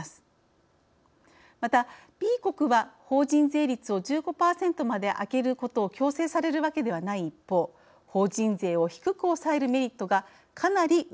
またＢ国は法人税率を１５％まで上げることを強制されるわけではない一方法人税を低く抑えるメリットがかなり薄れることになります。